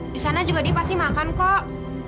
di sana juga dia pasti makan kok